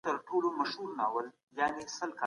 موږ به تر هغه وخته خپل علمي مزل بشپړ کړی وي.